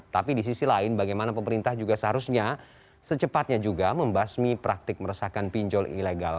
tapi di sisi lain bagaimana pemerintah juga seharusnya secepatnya juga membasmi praktik meresahkan pinjol ilegal